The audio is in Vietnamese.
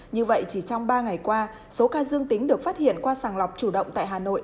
như vậy chỉ trong ba ngày qua số ca dương tính được phát hiện qua sàng lọc chủ động tại hà nội